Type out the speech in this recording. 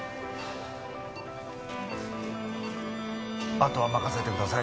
あとは任せてください。